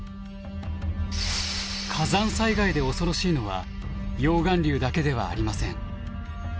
火山災害で恐ろしいのは溶岩流だけではありません。